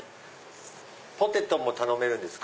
ポテトも頼めるんですか？